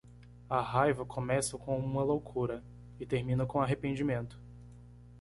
A raiva começa com uma loucura e termina com arrependimento.